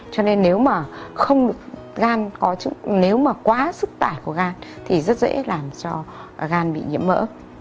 cho nên nếu mà không gan nếu mà quá sức tải của gan thì rất dễ làm cho gan bị nhiễm mỡ